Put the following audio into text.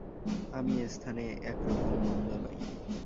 আমি এ স্থানে একরকম মন্দ নাই।